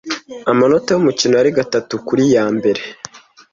Amanota yanyuma yumukino yari gatatu kuri ya mbere.